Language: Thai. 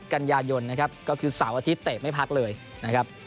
กันยายนนะครับก็คือเสาร์อาทิตยเตะไม่พักเลยนะครับ